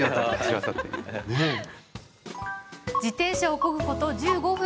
自転車をこぐこと１５分。